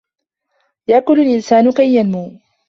يَأْكُلُ الْإِنْسانُ كَيْ يَنْمُوَ.